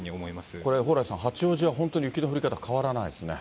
これ、蓬莱さん、八王子は本当に雪の降り方変わらないですね。